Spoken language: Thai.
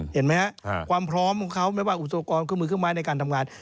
เห็นมั้ยครับความพร้อมของเขาไม่ว่าอุตโตรกรคือมือเครื่องมายในการทำงาน